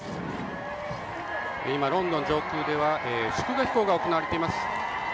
今ロンドン上空では祝賀飛行が行われています。